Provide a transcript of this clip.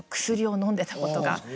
薬を飲んでたことが。